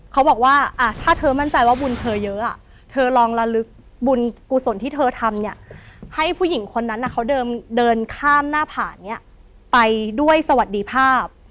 เขาบอกว่าถ้าเธอมั่นใจว่าบุญเธอเยอะเธอลองระลึกบุญกุศลที่เธอทำเนี่ยให้ผู้หญิงคนนั้นเขาเดินข้ามหน้าผ่านเนี่ยไปด้วยสวัสดีภาพ